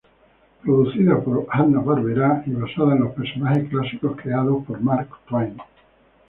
Producida por la Hanna-Barbera y basada en los personajes clásicos creados por Mark Twain.